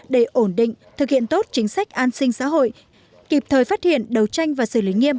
để ổn định thực hiện tốt chính sách an sinh xã hội kịp thời phát hiện đấu tranh và xử lý nghiêm